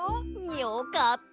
よかった！